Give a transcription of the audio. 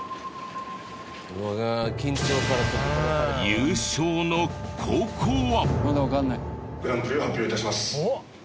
優勝の高校は？